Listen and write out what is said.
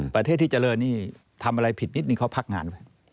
ประเทศที่เจริญนี่ทำอะไรผิดนิดนึงเขาพักงานไว้